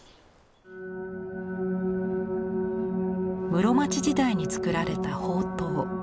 室町時代に作られた宝塔。